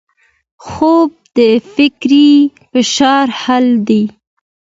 خوب د فکري فشار حل دی